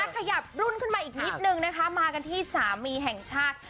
ขยับรุ่นขึ้นมาอีกนิดนึงนะคะมากันที่สามีแห่งชาติ